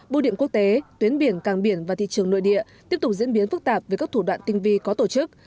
bưu điện quốc tế tuyến biển càng biển và thị trường nội địa tiếp tục diễn biến phức tạp với các thủ đoạn tinh vi có tổ chức